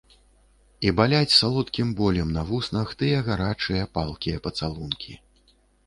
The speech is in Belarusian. І баляць салодкім болем на вуснах тыя гарачыя, палкія пацалункі.